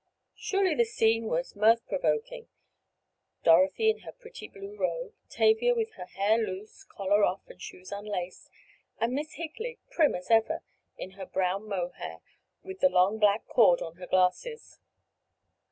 Surely the scene was mirth provoking. Dorothy in her pretty blue robe, Tavia with her hair loose, collar off and shoes unlaced, and Miss Higley, prim as ever, in her brown mohair, with the long black cord on her glasses.